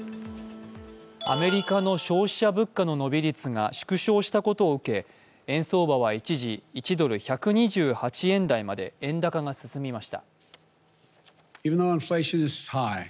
アメリカの消費者物価の伸び率が縮小したことを受け円相場は一時、１ドル＝１２８円台まで円高が進みました。